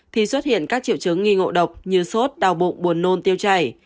thì xuất hiện các triệu chứng nghi ngộ độc như sốt đau bụng buồn nôn tiêu chảy